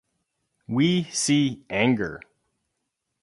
We see anger.